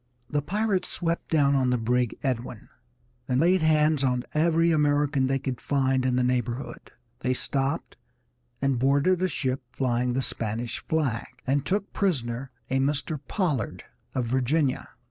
The pirates swept down on the brig Edwin, and laid hands on every American they could find in the neighborhood. They stopped and boarded a ship flying the Spanish flag, and took prisoner a Mr. Pollard, of Virginia.